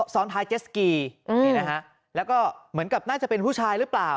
ซ้อนท้ายเจสกีนี่นะฮะแล้วก็เหมือนกับน่าจะเป็นผู้ชายหรือเปล่า